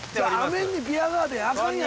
雨にビアガーデンあかんやろ。